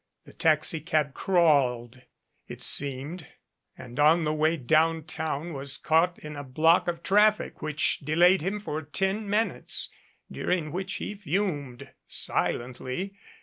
The taxicab crawled, it seemed, and on the way downtown was caught in a block of traffic which delayed him for ten minutes, during which he fumed silently.